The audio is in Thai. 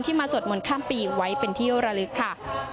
ที่มาสวดมนต์ข้ามปีอยู่ไว้เป็นที่โยรลึกค่ะ